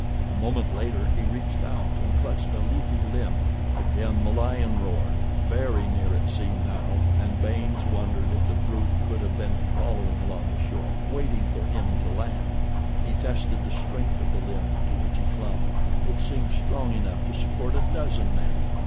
A moment later he reached out and clutched a leafy limb. Again the lion roared—very near it seemed now, and Baynes wondered if the brute could have been following along the shore waiting for him to land. He tested the strength of the limb to which he clung. It seemed strong enough to support a dozen men.